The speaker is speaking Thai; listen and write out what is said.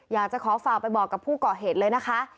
อยากจะขอฝากไปบอกกับผู้ก่อเหตุเลยนะคะ